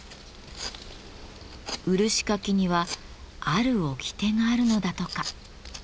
漆かきにはあるおきてがあるのだとか。